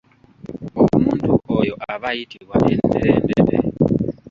Omuntu oyo aba ayitibwa enderendete.